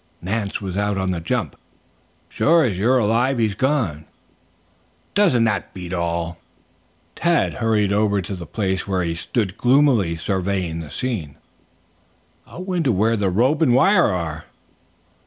Nance was out on the jump. "Sure as you're alive he's gone. Now doesn't that beat all?" Tad had hurried over to the place where he stood gloomily surveying the scene. "I wonder where the rope and wire are?"